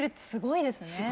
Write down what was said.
すごいですよね。